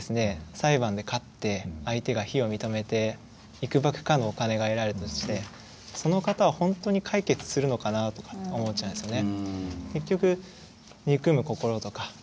裁判で勝って相手が非を認めていくばくかのお金が得られたとしてその方はほんとに解決するのかなとかって思っちゃうんですよね。